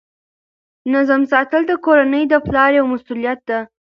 نظم ساتل د کورنۍ د پلار یوه مسؤلیت ده.